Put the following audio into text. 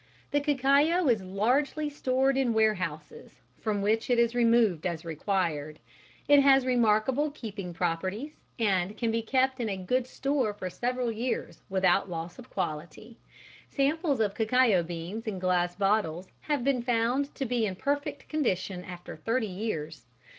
_ The cacao is largely stored in warehouses, from which it is removed as required. It has remarkable keeping properties, and can be kept in a good store for several years without loss of quality. Samples of cacao beans in glass bottles have been found to be in perfect condition after thirty years.